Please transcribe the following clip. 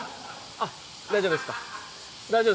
あ、大丈夫ですか？